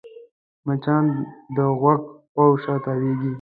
مچان د غوږ شاوخوا تاوېږي